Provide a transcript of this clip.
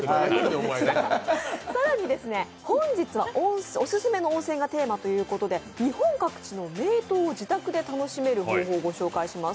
更に本日はおすすめの温泉がテーマということで日本各地の名湯を自宅で楽しめる情報をご紹介します。